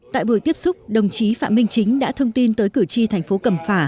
tại buổi tiếp xúc đồng chí phạm minh chính đã thông tin tới cử tri thành phố cẩm phả